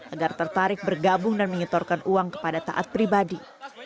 agar tertarik bergabung dan menyetorkan uang kepada taat pribadi